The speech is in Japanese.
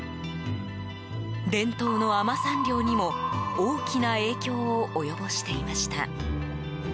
伝統の海女さん漁にも大きな影響を及ぼしていました。